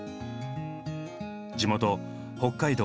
地元北海道・